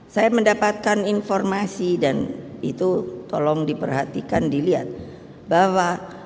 saya mendapatkan informasi dan itu tolong diperhatikan dilihat bahwa